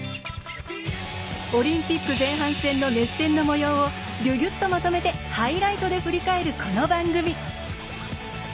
オリンピック前半戦の熱戦のもようをギュギュッとまとめてハイライトで振り返る、この番組。